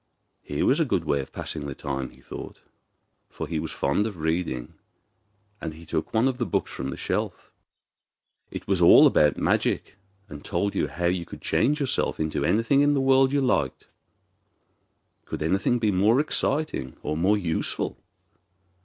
Here was a good way of passing the time, he thought, for he was fond of reading, and he took one of the books from the shelf. It was all about magic, and told you how you could change yourself into anything in the world you liked. Could anything be more exciting or more useful?